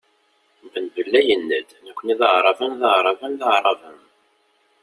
Ben Bella yenna-d: "Nekni d aɛraben, d aɛraben, d aɛraben".